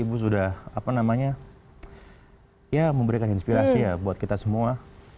ibu sudah apa namanya ya memberikan inspirasi ya buat kita semua